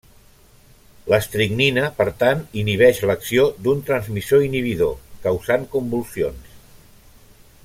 L'estricnina, per tant inhibeix l'acció d'un transmissor inhibidor, causant convulsions.